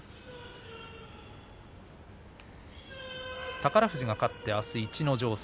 宝富士勝って、あす逸ノ城戦。